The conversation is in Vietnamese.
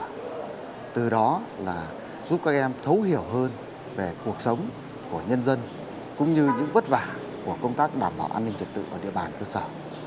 điều đó là giúp các em thấu hiểu hơn về cuộc sống của nhân dân cũng như những vất vả của công tác đảm bảo an ninh trật tự ở địa bàn quốc xã